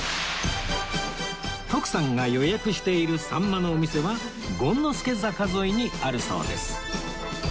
徳さんが予約しているさんまのお店は権之助坂沿いにあるそうです